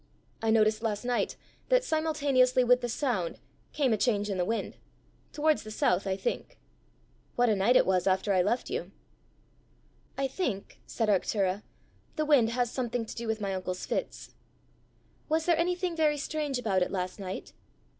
I noticed last night that simultaneously with the sound came a change in the wind towards the south, I think. What a night it was after I left you!" "I think," said Arctura, "the wind has something to do with my uncle's fits. Was there anything very strange about it last night?